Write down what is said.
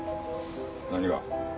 何が？